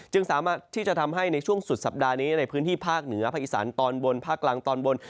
สามารถที่จะทำให้ในช่วงสุดสัปดาห์นี้ในพื้นที่ภาคเหนือภาคอีสานตอนบนภาคกลางตอนบน